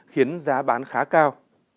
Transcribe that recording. khiến giá bán khá cao